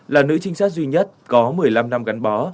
là nữ trinh sát duy nhất có một mươi năm năm gắn bó